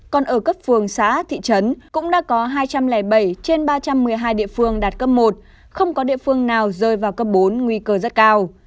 còn ở cấp phường xã thị trấn cũng đã có hai trăm linh bảy trên ba trăm một mươi hai địa phương đạt cấp một không có địa phương nào rơi vào cấp bốn nguy cơ rất cao